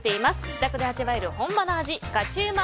自宅で味わえる本場の味ガチうま！